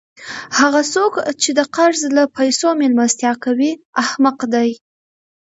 هغه څوک، چي د قرض له پېسو میلمستیا کوي؛ احمق دئ!